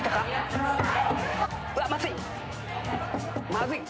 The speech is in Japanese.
まずい！